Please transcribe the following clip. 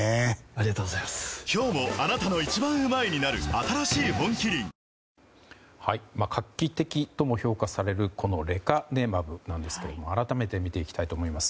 新しい「本麒麟」画期的とも評価されるレカネマブなんですけれども改めて見ていきたいと思います。